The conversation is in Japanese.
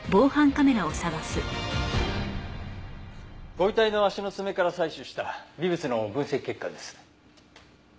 ご遺体の足の爪から採取した微物の分析結果です。